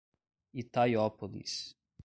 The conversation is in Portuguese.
Itaiópolis